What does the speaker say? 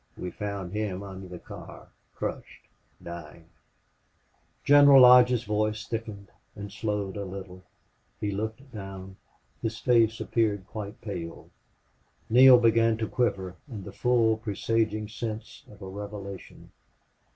We found him under the car crushed dying " General Lodge's voice thickened and slowed a little. He looked down. His face appeared quite pale. Neale began to quiver in the full presaging sense of a revelation.